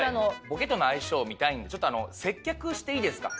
ボケとの相性を見たいんでちょっと接客していいですか？